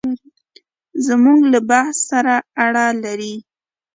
زموږ له بحث سره اړه لري.